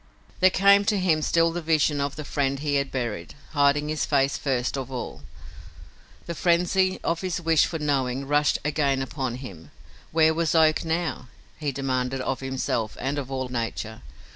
There came to him still the vision of the friend he had buried, hiding his face first of all. The frenzy of his wish for knowing rushed again upon him. Where was Oak now? he demanded of himself and of all nature.